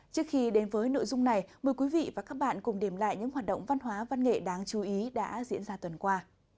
trước khi đến với nội dung này mời quý vị và các bạn cùng điểm lại những hoạt động văn hóa văn nghệ đáng chú ý đã diễn ra tuần qua